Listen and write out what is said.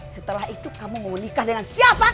setelah itu kamu mau menikah dengan siapa